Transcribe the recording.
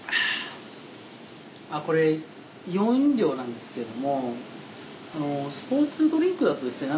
これイオン飲料なんですけれどもスポーツドリンクだとですね